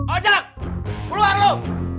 ojak keluar lu